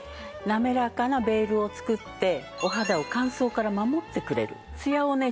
滑らかなベールを作ってお肌を乾燥から守ってくれるツヤをね